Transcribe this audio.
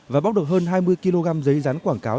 và bóc được hơn hai mươi kg giấy rán quảng cáo